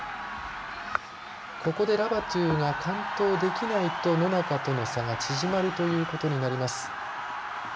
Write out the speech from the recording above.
ここでラバトゥが完登できないと野中との差が縮まるということになります。